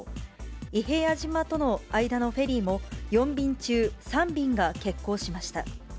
伊平屋島との間のフェリーも、４便中３便が欠航しました。